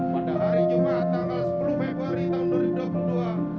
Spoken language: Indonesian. pada hari jumat tanggal sepuluh februari tahun dua ribu dua puluh dua